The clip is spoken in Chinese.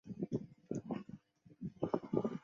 龙潭公园包括一湖。